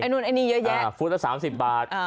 ไอ้นู่นไอ้นี่เยอะแยะฟุตละ๓๐บาท